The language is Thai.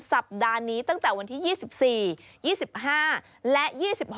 สัปดาห์นี้ตั้งแต่วันที่๒๔๒๕และ๒๖